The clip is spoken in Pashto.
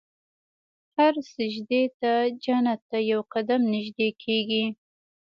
هر سجدې ته جنت ته یو قدم نژدې کېږي.